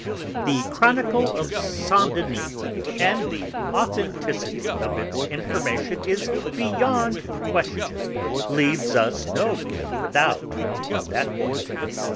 "The Chronicle of Saint Denis, and the authenticity of its information is beyond question, leaves us no room for doubt on that point.